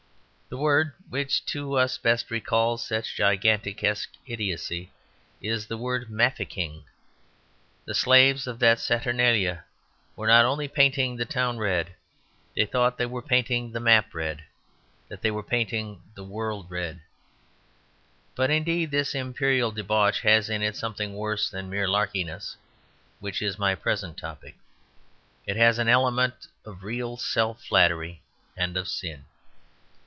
The word which to us best recalls such gigantesque idiocy is the word "mafficking." The slaves of that saturnalia were not only painting the town red; they thought that they were painting the map red that they were painting the world red. But, indeed, this Imperial debauch has in it something worse than the mere larkiness which is my present topic; it has an element of real self flattery and of sin.